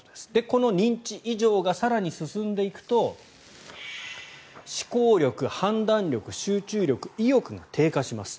この認知異常が更に進んでいくと思考力、判断力、集中力、意欲が低下します。